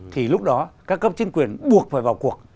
thì lúc đó các cấp chính quyền buộc phải vào cuộc